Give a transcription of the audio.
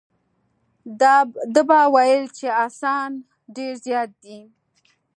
ده به ویل چې اسان ډېر زیات دي.